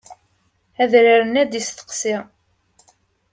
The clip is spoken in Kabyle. Adrar-nni ad d-yesteqsi.